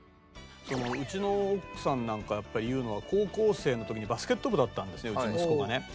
うちの奥さんなんかやっぱり言うのは高校生の時にバスケット部だったんですねうちの息子がね。